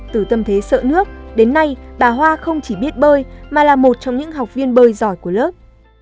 từ tâm thế sợ nước đến nay bà hoa không chỉ biết bơi mà là một trong những học viên bơi giỏi của lớp